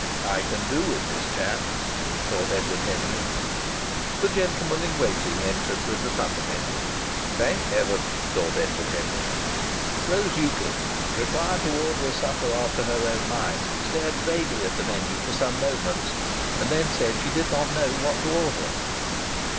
"I can do with this chap," thought Edward Henry. The gentleman in waiting entered with the supper menu. "Thank heaven!" thought Edward Henry. Rose Euclid, requested to order a supper after her own mind, stared vaguely at the menu for some moments, and then said that she did not know what to order.